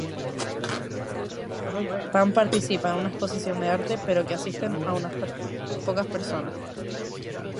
Pam participa en una exposición de arte, pero que asisten a unas pocas personas.